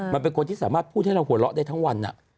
มันเป็นคนที่สามารถพูดให้เราหัวเราะได้ทั้งวัน